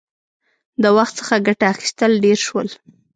• د وخت څخه ګټه اخیستل ډېر شول.